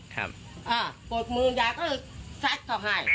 กดมือยายก็เลยสัตว์บาดให้